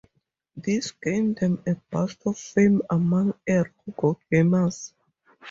This gained them a burst of fame among eroge gamers.